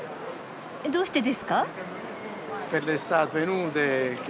どうしてですか？